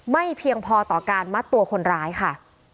เพียงพอต่อการมัดตัวคนร้ายค่ะ